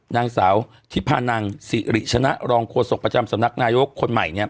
นางสาวทิพานังสิริชนะรองโฆษกประจำสำนักนายกคนใหม่เนี่ย